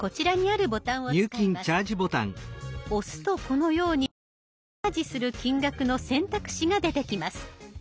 押すとこのようにチャージする金額の選択肢が出てきます。